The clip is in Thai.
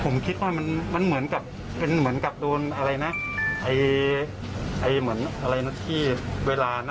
แล้วแผลที่เจอนี้เป็นแผลที่ไหน